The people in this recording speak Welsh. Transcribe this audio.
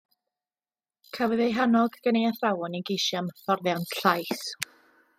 Cafodd ei hannog gan ei athrawon i geisio am hyfforddiant llais.